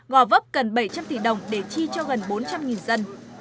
gò vấp cần bảy trăm linh tỷ đồng để chi cho gần bốn trăm linh dân